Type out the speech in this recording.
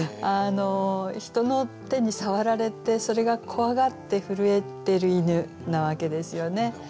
人の手に触られてそれが怖がって震えてる犬なわけですよね。